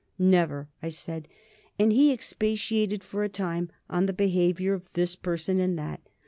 "Never," I said, and he expatiated for a time on the behaviour of this person and that.